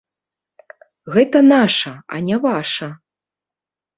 Гэта наша, а не ваша.